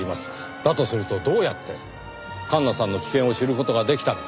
だとするとどうやって環那さんの危険を知る事ができたのか。